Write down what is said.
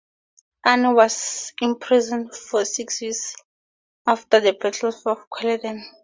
Anne was imprisoned for six weeks after the Battle of Culloden.